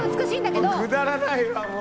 「くだらないわもう。